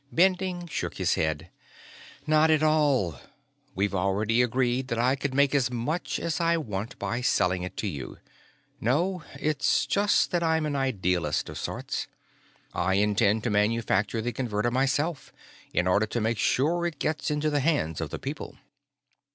Bending shook his head. "Not at all. We've already agreed that I could make as much as I want by selling it to you. No; it's just that I'm an idealist of sorts. I intend to manufacture the Converter myself, in order to make sure it gets into the hands of the people."